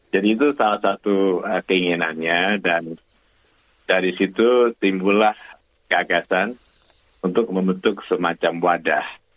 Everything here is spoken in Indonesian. jadi itu salah satu keinginannya dan dari situ timbulah keagasan untuk membentuk semacam wadah